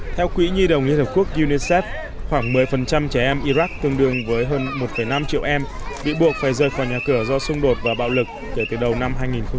theo quỹ nhi đồng liên hợp quốc unicef khoảng một mươi trẻ em iraq tương đương với hơn một năm triệu em bị buộc phải rời khỏi nhà cửa do xung đột và bạo lực kể từ đầu năm hai nghìn một mươi